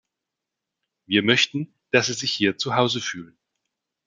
Wir möchten, dass Sie sich hier zu Hause fühlen.